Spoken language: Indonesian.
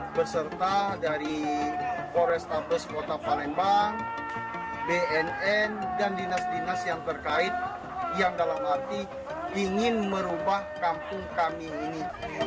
berserta dari polrestabes kota palembang bnn dan dinas dinas yang terkait yang dalam arti ingin merubah kampung kami ini